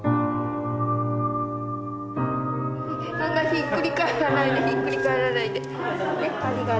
ひっくり返らないでひっくり返らないでねっありがと。